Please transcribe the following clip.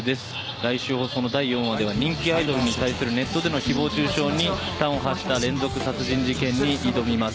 来週放送の第４話では人気アイドルに対するネットでの誹謗中傷に端を発した連続殺人事件に挑みます。